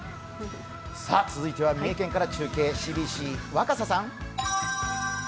続いては三重県から中継、ＣＢＣ、若狭さん。